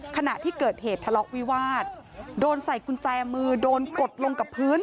ขณะที่เกิดเหตุทะเลาะวิวาสโดนใส่กุญแจมือโดนกดลงกับพื้น